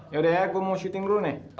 yaudah ya gue mau syuting dulu nih